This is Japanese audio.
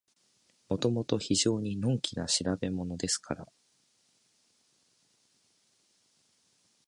もともと非常にのんきな調べものですから、